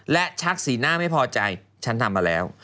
และชักสีหน้าไม่พอใจฉันทำมาแล้ว